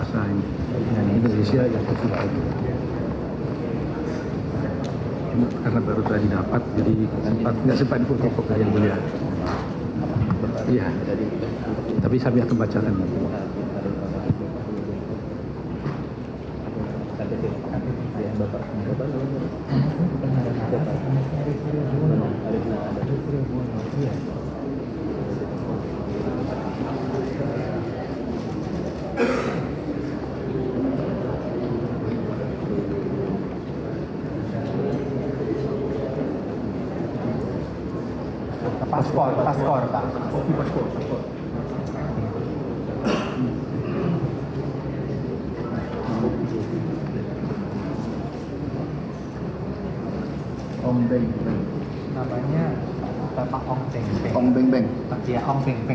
sampai jumpa di sampai jumpa